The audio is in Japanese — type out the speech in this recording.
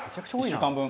１週間分。